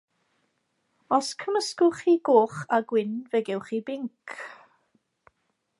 Os cymysgwch chi goch a gwyn fe gewch chi binc.